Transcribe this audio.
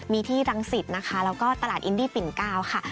มีที่รังสิตนะคะแล้วก็ตลาดอินดี้ปิ่น๙ค่ะ